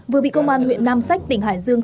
vừa bị công an huyện nam sách tỉnh hải dương